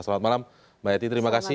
selamat malam mbak yati terima kasih